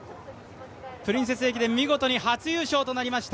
プリンセス駅伝、見事に初優勝となりました